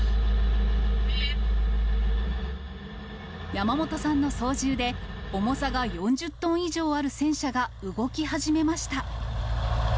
山本さんの操縦で、重さが４０トン以上ある戦車が動き始めました。